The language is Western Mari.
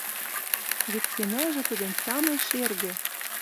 Вет ценӓжӹ тӹдӹн самой шергӹ —